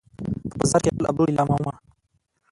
په بازار کې خپل ابرو لیلامومه